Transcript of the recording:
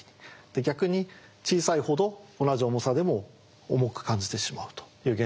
逆に小さいほど同じ重さでも重く感じてしまうという現象が起こります。